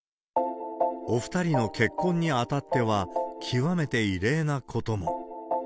お２人の結婚にあたっては、極めて異例なことも。